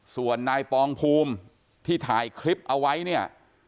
ส่วนนายปองภูมิที่ถ่ายคลิปเอาไว้เนี่ย